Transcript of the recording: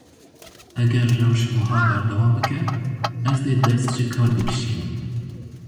Eger rewş wiha berdewam bike, ez dê dest ji kar bikişînim.